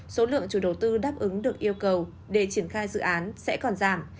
số lượng chủ đầu tư đáp ứng được yêu cầu để triển khai dự án sẽ còn giảm